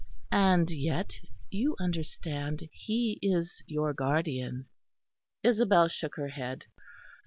And yet, you understand, he is your guardian." Isabel shook her head.